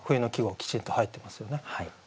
きちんと入ってますね。